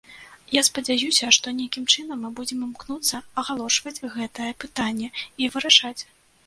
Я спадзяюся, што нейкім чынам мы будзем імкнуцца агалошваць гэтае пытанне і вырашаць.